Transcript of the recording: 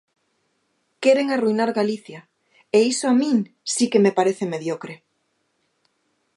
Queren arruinar Galicia, e iso a min si que me parece mediocre.